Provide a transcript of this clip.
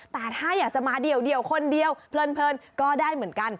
แต่ถ้าอยากจะมาเดี่ยวคนเดียวเพลินก็ได้เหมือนกัน